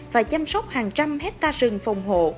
và chăm sóc hàng trăm hectare rừng phòng hộ